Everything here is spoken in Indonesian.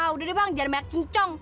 udah deh bang jangan banyak kencong